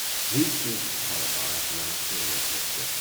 Please search the Karobar Economic Daily picture.